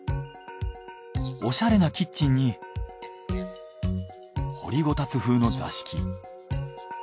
おしゃれなキッチンに掘りごたつ風の座敷。